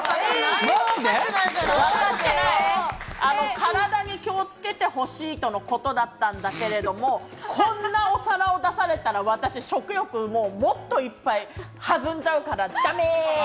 体に気をつけてほしいとのことだったんだけれども、こんなお皿を出されたら、私、食欲もっといっぱい弾んじゃうから、ダメ。